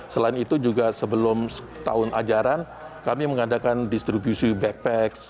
selain itu juga sebelum tahun ajaran kami mengadakan distribusi backpack